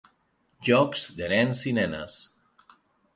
Jocs de nens i nenes.